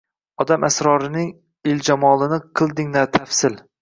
Odam asrorining ijmolini qilding tafsil